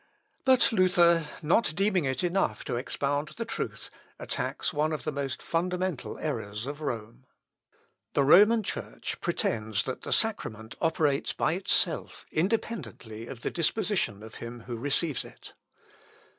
But Luther, not deeming it enough to expound the truth, attacks one of the most fundamental errors of Rome. The Roman Church pretends that the sacrament operates by itself, independently of the disposition of him who receives it.